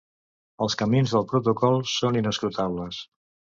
Els camins del protocol són inescrutables.